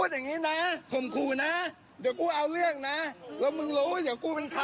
หลังของน้ำก่อน